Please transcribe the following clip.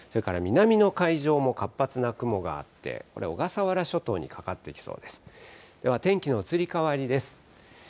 それから南の海上も活発な雲があって、これ、小笠原諸島にかかってきそうです。